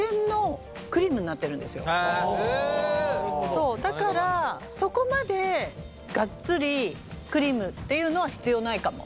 そうだからそこまでがっつりクリームっていうのは必要ないかも。